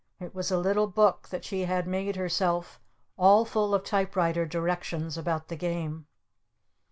It was a little book that she had made herself all full of typewriter directions about the Game.